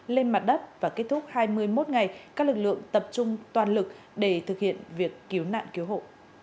lên mặt đất và kết thúc hai mươi một ngày các lực lượng tập trung toàn lực để thực hiện việc cứu nạn cứu hộ